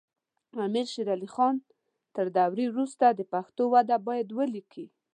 امیر شیر علی خان تر دورې وروسته د پښتو وده باید ولیکي.